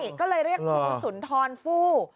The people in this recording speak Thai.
ใช่ก็เลยเรียกครูสุนทรฟู้